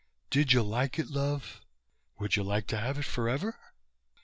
"Did you like it, love? Would you like to have it forever?"